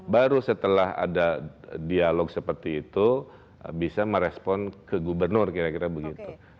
baru setelah ada dialog seperti itu bisa merespon ke gubernur kira kira begitu